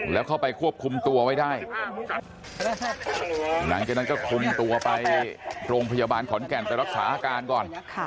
แล้วเข้าไปควบคุมตัวไว้ได้หลังจากนั้นก็คุมตัวไปโรงพยาบาลขอนแก่นไปรักษาอาการก่อน